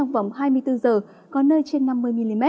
vòng hai mươi bốn h có nơi trên năm mươi mm